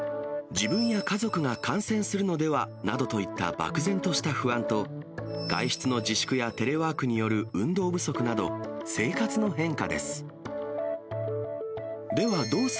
自分や家族が感染するのではなどといった漠然とした不安と、外出の自粛やテレワークによる運動不足など、生活の変化です。